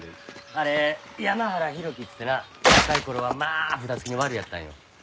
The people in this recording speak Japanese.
あれ山原浩喜っつってな若い頃はまあ札付きのワルやったんよ。